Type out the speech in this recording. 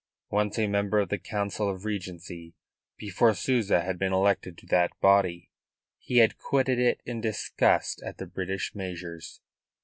Once a member of the Council of Regency before Souza had been elected to that body he had quitted it in disgust at the British measures.